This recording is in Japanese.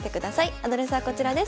アドレスはこちらです。